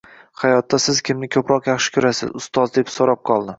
hayotda siz kimni ko'proq yaxshi ko'rasiz, ustoz deb so'rab qoldi